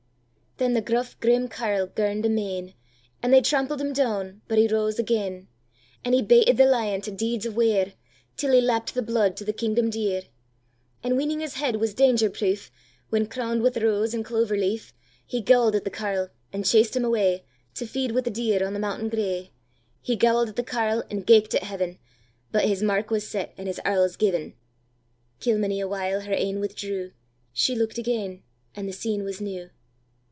Then the gruff grim carle girn'd amain, And they trampled him down, but he rose again; And he baited the lion to deeds of weir, Till he lapp'd the blood to the kingdom dear; And weening his head was danger preef, When crown'd with the rose and clover leaf, He gowl'd at the carle, and chased him awayTo feed wi' the deer on the mountain gray. He gowl'd at the carle and geck'd at Heaven, But his mark was set, and his arles given. Kilmeny a while her e'en withdrew; She look'd again, and the scene was new.